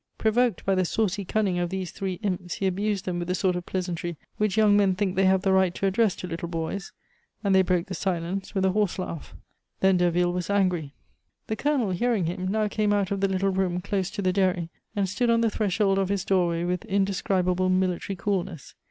Provoked by the saucy cunning of these three imps, he abused them with the sort of pleasantry which young men think they have the right to address to little boys, and they broke the silence with a horse laugh. Then Derville was angry. The Colonel, hearing him, now came out of the little low room, close to the dairy, and stood on the threshold of his doorway with indescribable military coolness.